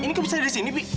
bi ini kenapa saya disini bi